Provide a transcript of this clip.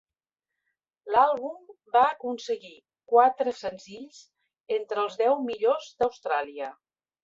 L'àlbum va aconseguir quatre senzills entre els deu millors d'Austràlia.